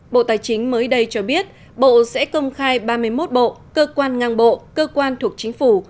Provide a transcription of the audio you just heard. bộ tài chính mới đây cho biết bộ sẽ công khai ba mươi một bộ cơ quan ngang bộ cơ quan thuộc chính phủ